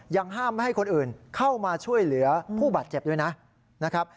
ยังห้ามให้คนอื่นเข้ามาช่วยเหลือผู้บาดเจ็บด้วยนะ